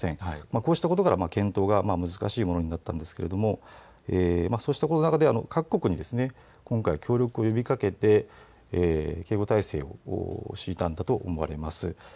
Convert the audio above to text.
こうしたことから検討が難しいものになったんですけれどもそうしたことの中で各国に協力を呼びかけて警護体制を敷いたんだと思われます。